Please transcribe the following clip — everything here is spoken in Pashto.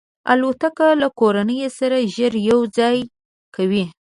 الوتکه له کورنۍ سره ژر یو ځای کوي.